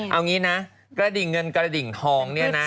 เอางี้นะกระดิ่งเงินกระดิ่งทองเนี่ยนะ